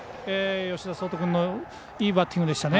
吉田創登君のいいバッティングでしたね。